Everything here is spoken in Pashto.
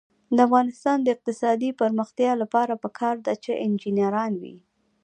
د افغانستان د اقتصادي پرمختګ لپاره پکار ده چې انجنیران وي.